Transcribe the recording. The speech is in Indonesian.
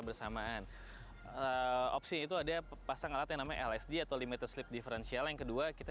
bersamaan opsi itu ada pasang alat yang namanya lsd atau limited sleep differential yang kedua kita